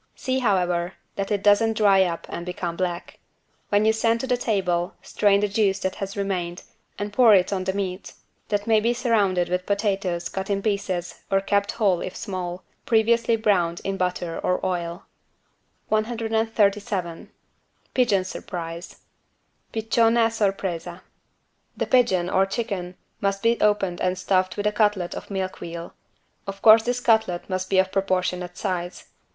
See, however, that it doesn't dry up and become black. When you send to the table strain the juice that has remained and pour it on the meat, that may be surrounded with potatoes cut in pieces or kept whole if small, previously browned in butter or oil. 137 PIGEON SURPRISE (Piccione a sorpresa) The pigeon (or chicken) must be opened and stuffed with a cutlet of milk veal. Of course this cutlet must be of proportionate size.